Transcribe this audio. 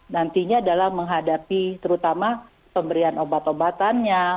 nantinya dalam menghadapi terutama pemberian obat obatannya